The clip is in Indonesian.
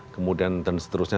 kemudian dan seterusnya